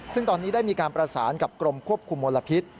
ซึ่งตอนนี้ได้มีการประสานกับกรมควบคุมมลพิษ